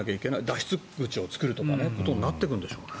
脱出口を作るということになってくるんでしょうね。